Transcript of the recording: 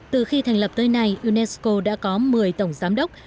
từ khi thành lập tới nay unesco đã có một mươi tổng giám đốc